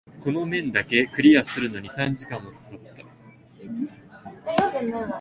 この面だけクリアするのに三時間も掛かった。